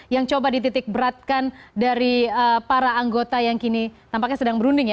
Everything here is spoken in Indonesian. yang coba dititik beratkan dari para anggota yang kini tampaknya sedang berunding ya